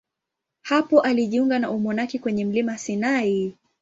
Hapo alijiunga na umonaki kwenye mlima Sinai.